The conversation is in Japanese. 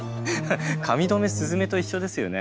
髪留め鈴芽と一緒ですよね。